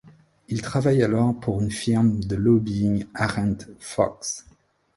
Il travaille alors pour une firme de lobbying Arent Fox.